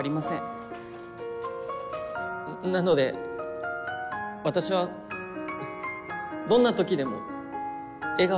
なので私はどんな時でも笑顔で。